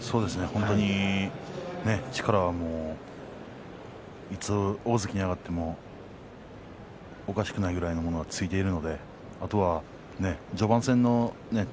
本当に力はいつ大関に上がってもおかしくないぐらいのものがついているので、あとは序盤戦の。